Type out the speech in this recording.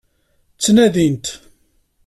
Ttnadin-t.